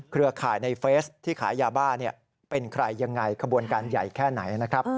ข่ายในเฟซที่ขายยาบ้าเป็นใครยังไงขบวนการใหญ่แค่ไหนนะครับ